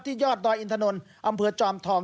ยอดดอยอินทนนท์อำเภอจอมทอง